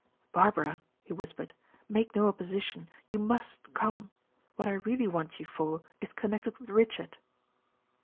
"Barbara," he whispered, "make no opposition. You must come. What I really want you for is connected with Richard."